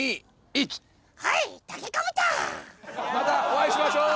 またお会いしましょう！